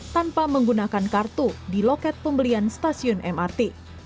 tanpa menggunakan kartu di loket pembelian stasiun mrt